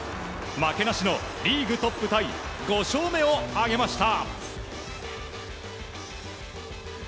負けなしのリーグトップタイ５勝目を挙げました。